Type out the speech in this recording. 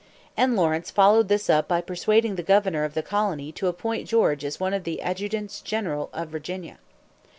And Lawrence followed this up by persuading the governor of the colony to appoint George as one of the adjutants general of Virginia.